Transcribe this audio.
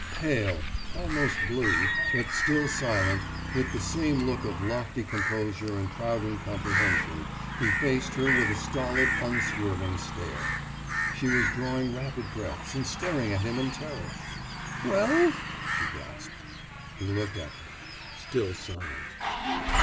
Pale, almost blue, but still silent, with the same look of lofty composure and proud incomprehension, he faced her with a stolid, unswerving stare. She was drawing rapid breaths, and staring at him in terror. »Well?« she gasped. He looked at her, still silent.